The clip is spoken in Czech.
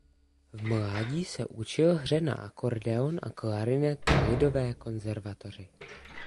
V mládí se učil hře na akordeon a klarinet na Lidové konzervatoři.